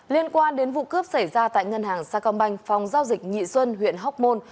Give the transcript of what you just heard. liên quan đến vụ cướp xảy ra tại ngân hàng sa công banh phòng giao dịch nhị xuân huyện hóc môn